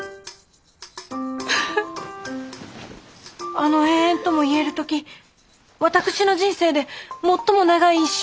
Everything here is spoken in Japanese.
あの永遠ともいえる時私の人生で最も長い一瞬。